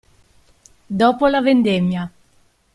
Dopo la vendemmia.